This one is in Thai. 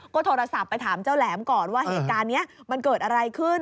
ก็โทรศัพท์ไปถามเจ้าแหลมก่อนว่าเหตุการณ์นี้มันเกิดอะไรขึ้น